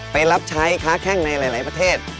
ไปรับใช้ค้าแข้งในหลายประเทศ